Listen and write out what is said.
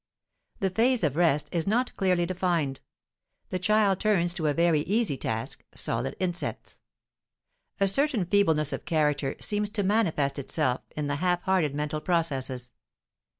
The phase of rest is not clearly defined; the child turns to a very easy task (solid insets). A certain feebleness of character seems to manifest itself in the half hearted mental processes.